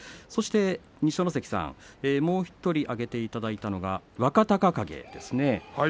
そして二所ノ関さんもう１人挙げていただいたのが若隆景ですね。